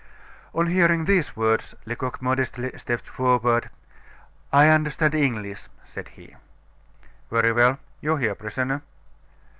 On hearing these words, Lecoq modestly stepped forward. "I understand English," said he. "Very well. You hear, prisoner?"